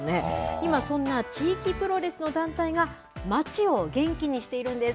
今、そんな地域プロレスの団体が、街を元気にしているんです。